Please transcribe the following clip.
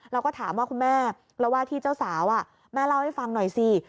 เราก็ถามว่าคุณแม่แล้วว่าที่เจ้าสาวแม่เล่าให้ฟังหน่อยสิ